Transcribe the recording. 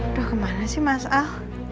aduh kemana sih mas al